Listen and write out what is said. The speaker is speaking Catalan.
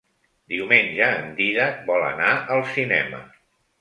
Diumenge en Dídac vol anar al cinema.